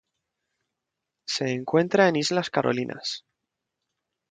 Se encuentra en Islas Carolinas.